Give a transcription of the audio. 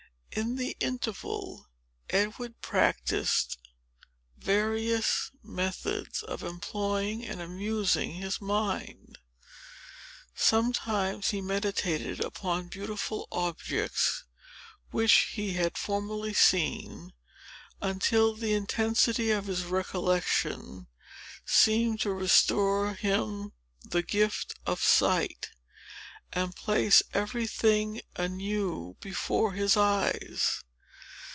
In the interval, Edward practised various methods of employing and amusing his mind. Sometimes he meditated upon beautiful objects which he had formerly seen, until the intensity of his recollection seemed to restore him the gift of sight, and place every thing anew before his eyes.